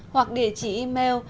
hoặc địa chỉ email